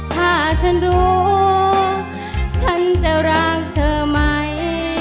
ถ้าฉันรู้ฉันจะรักเธอไหม